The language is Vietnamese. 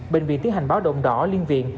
bệnh viện tiến hành báo động đỏ liên viện